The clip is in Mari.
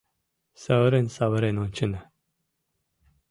Савырен-савырен ончена.